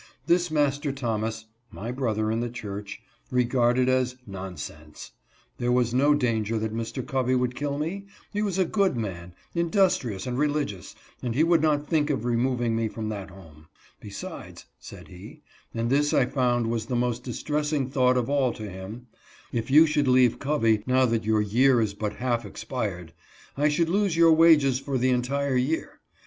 This Master Thomas (my brother in the church') regarded as " non sense." There was no danger that Mr. Covey would kill me ; he was a good man, industrious and religious, and he would not think of removing me from that home; " besides," said he — and this I found was the most dis tressing thought of all to him —" if you should leave Covey now that your year is but half expired, I should lose your wages for the entire year.